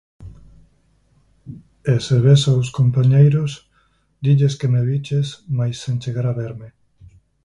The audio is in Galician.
E, se ves os compañeiros, dilles que me viches mais sen chegar a verme.